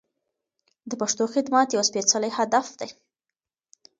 د پښتو خدمت یو سپېڅلی هدف دی.